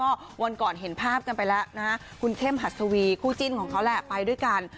ก็วันก่อนเห็นภาพกันไปแล้วนะฮะคุณเข้มหัสวีคู่จิ้นของเขาแหละไปด้วยกัน